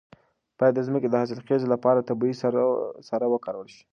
باید د ځمکې د حاصلخیزۍ لپاره طبیعي سره وکارول شي.